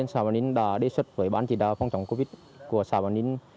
xã bảo ninh đã đề xuất với bản chỉ đạo phong trọng covid của xã bảo ninh